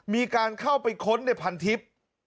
มีการเข้าไปค้นในพันทิพย์